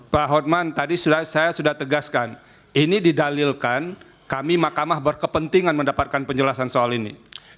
pak hotman tadi saya sudah tegaskan ini didalilkan kami mahkamah berkepentingan mendapatkan penjelasan soal ini